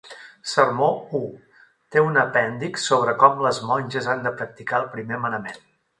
Sermó I té un apèndix sobre com les monges han de practicar el primer manament.